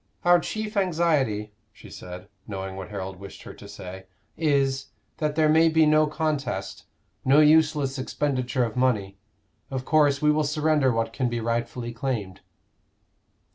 "Our chief anxiety," she said, knowing what Harold wished her to say, "is, that there may be no contest, no useless expenditure of money. Of course we will surrender what can be rightfully claimed."